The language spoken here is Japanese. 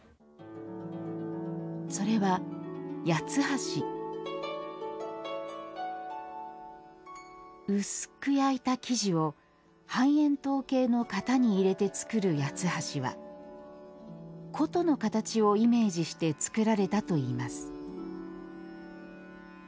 それは八ッ橋薄く焼いた生地を半円筒形の型に入れて作る八ッ橋は箏の形をイメージして作られたといいます